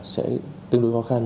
sẽ tương đối khó khăn